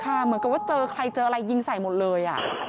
เหมือนกับว่าเจอใครเจออะไรยิงใส่หมดเลย